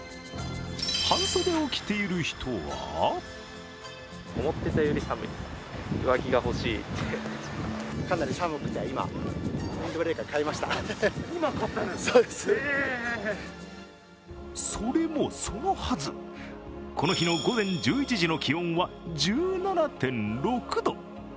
半袖を着ている人はそれもそのはず、この日の午前１１時の気温は１７．６度。